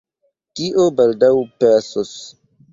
Tio baldaŭ pasos.